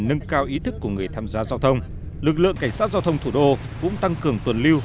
nâng cao ý thức của người tham gia giao thông lực lượng cảnh sát giao thông thủ đô cũng tăng cường tuần lưu